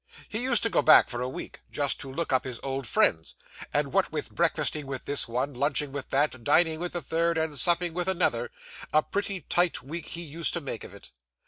He used to go back for a week, just to look up his old friends; and what with breakfasting with this one, lunching with that, dining with the third, and supping with another, a pretty tight week he used to make of it.